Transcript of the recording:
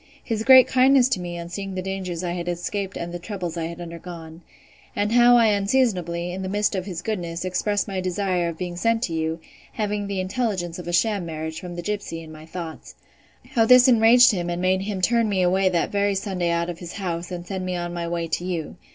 His great kindness to me on seeing the dangers I had escaped and the troubles I had undergone. And how I unseasonably, in the midst of his goodness, expressed my desire of being sent to you, having the intelligence of a sham marriage, from the gipsy, in my thoughts. How this enraged him, and made him turn me that very Sunday out of his house, and send me on my way to you.